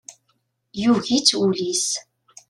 Yugi-tt wul-is.